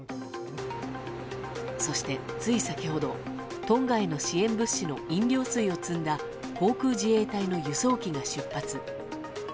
そして、つい先ほどトンガへの支援物資の飲料水を積んだ航空自衛隊の輸送機が出発。